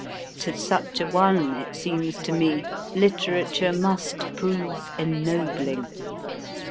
To such a one, it seems to me, literature must prove ennobling.